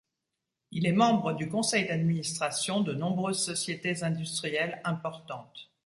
Il est membre du conseil d'administration de nombreuses sociétés industrielles importantes.